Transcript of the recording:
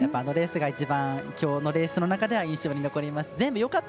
一番きょうのレースの中では印象に残りました。